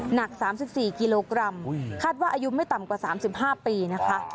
หนัก๓๔กิโลกรัมคาดว่าอายุไม่ต่ำกว่า๓๕ปีนะคะ